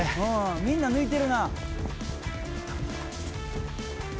みんな抜いてるな。